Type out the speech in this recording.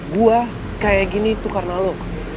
gua kayak gini tuh karena lo